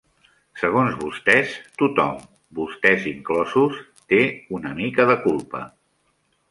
Segons vostès, tothom, vostès inclosos, té una mica de culpa.